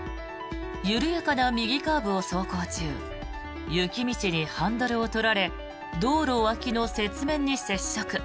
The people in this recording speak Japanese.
緩やかな右カーブを走行中雪道にハンドルを取られ道路脇の雪面に接触。